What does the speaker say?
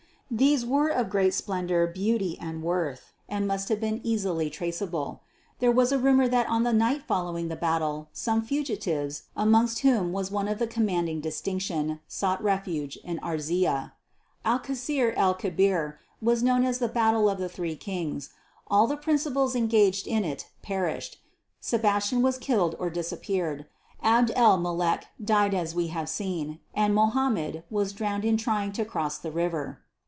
These were of great splendour, beauty and worth, and must have been easily traceable. There was a rumour that on the night following the battle some fugitives, amongst whom was one of commanding distinction, sought refuge at Arzilla. Alcaçer el Kebir was known as the "Battle of the three Kings." All the principals engaged in it perished. Sebastian was killed or disappeared. Abd el Mulek died as we have seen, and Mohammed was drowned in trying to cross the river.